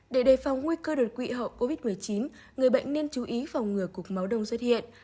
để đề phòng nguy cơ đột quỵ hậu covid một mươi chín người bệnh nên chú ý phòng ngừa cục máu đông xuất hiện